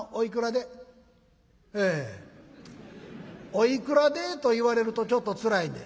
おいくらでと言われるとちょっとつらいんで」。